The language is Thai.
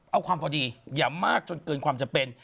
เอาความพอดีอย่ามากจนเกินความจำเป็น